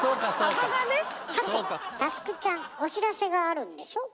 さて佑ちゃんお知らせがあるんでしょ？